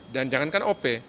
dan jangankan op